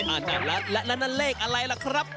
อาจาระและนั่นเลขอะไรล่ะครับ